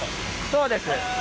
そうです。